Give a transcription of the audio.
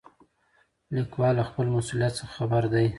لیکوال له خپل مسؤلیت څخه خبر دی.